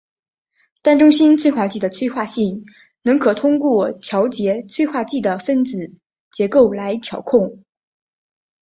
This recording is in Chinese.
单中心催化剂的催化性能可通过调节催化剂的分子结构来调控。